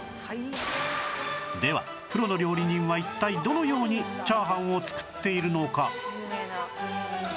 ではプロの料理人は一体どのように炒飯を作っているのか？